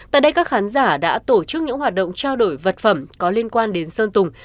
tại đây các khán giả đã tổ chức những hoạt động trao đổi vật phẩm có liên quan đến sơn tùng